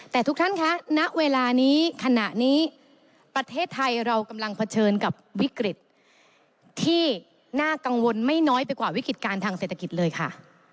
แต่ทุกท่านคะณเวลานี้ขณะนี้ประเทศไทยเรากำลังเผชิญกับวิกฤตที่น่ากังวลไม่น้อยไปกว่าวิกฤติการทางเศรษฐกิจเลยค่ะ